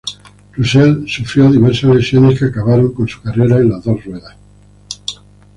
Russell sufrió diversas lesiones que acabaron con su carrera en las dos ruedas.